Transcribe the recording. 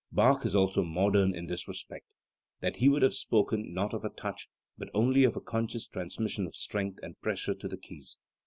Bach is also modern in this respect, that he would have spoken not of a "touch" but only of a con scious transmission of strength and pressure to the keys.